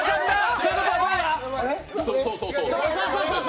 ということはどれだ？